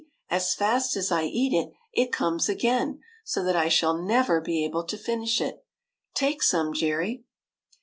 as fast as I eat it, it comes again, so that I shall never be able to finish it. Take some, Jerry."